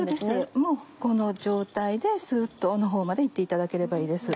もうこの状態ですっと尾のほうまで行っていただければいいです。